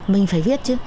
mình phải viết chứ